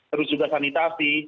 terus juga sanitasi